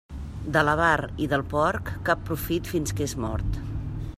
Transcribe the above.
De l'avar i del porc, cap profit fins que és mort.